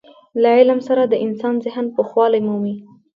له علم سره د انسان ذهن پوخوالی مومي.